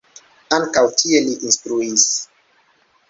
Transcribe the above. Ankaŭ tie li instruis.